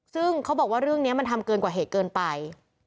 ซึ่งเขาบอกว่าเรื่องนี้มันทำเกินกว่าเหตุเกินไป